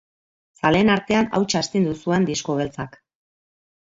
Zaleen artean hautsa astindu zuen Disko Beltzak.